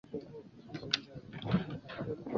是一座登录建筑兼英国古迹。